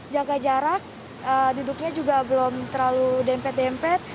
jaga jarak duduknya juga belum terlalu dempet dempet